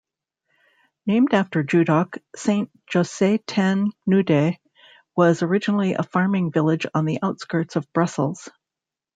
Named after Judoc, Saint-Josse-ten-Noode was originally a farming village on the outskirts of Brussels.